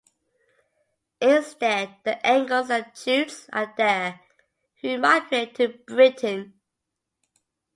Instead, the Angles and Jutes are there, who migrate to Britain.